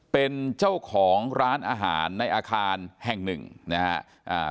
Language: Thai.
เป็นเจ้าของร้านอาหารในอาคารแห่งหนึ่งนะฮะอ่า